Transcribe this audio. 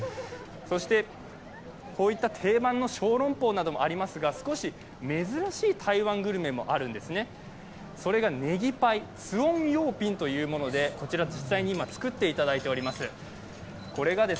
そして、こういった定番のショーロンポーなどもありますが珍しい台湾グルメもあるんですね、それがねぎパイツオンヨーピンというもので、これを実際に作っていただいております。